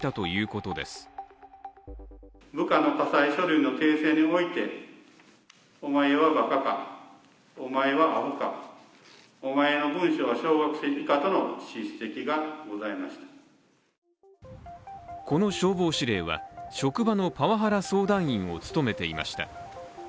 この消防司令は職場のパワハラ相談員を務めていました。